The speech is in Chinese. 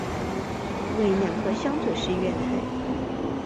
为两个相对式月台。